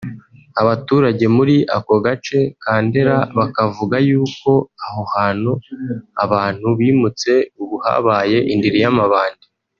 Abaturage muri ako gace ka Ndera bakavuga yuko aho hantu abantu bimutse ubu habaye indiri y’amabandi